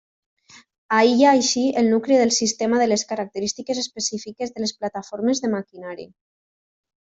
Aïlla així el nucli del sistema de les característiques específiques de les plataformes de maquinari.